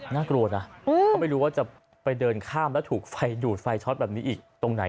น่ากลัวนะเขาไม่รู้ว่าจะไปเดินข้ามแล้วถูกไฟดูดไฟช็อตแบบนี้อีกตรงไหน